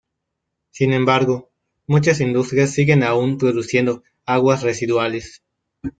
Sin embargo, muchas industrias siguen aún produciendo aguas residuales.